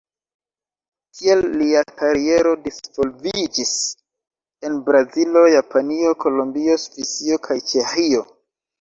Tiel lia kariero disvolviĝis en Brazilo, Japanio, Kolombio, Svisio kaj Ĉeĥio.